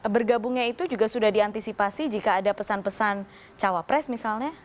bergabungnya itu juga sudah diantisipasi jika ada pesan pesan cawapres misalnya